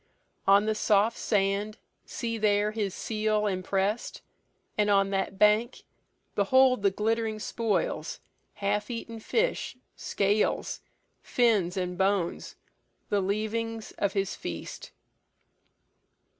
"On the soft sand, See there his seal impress'd! And on that bank Behold the glitt'ring spoils, half eaten fish, Scales, fins, and bones, the leavings of his feast."